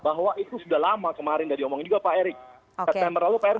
bahwa itu sudah lama kemarin nggak diomongin juga pak erick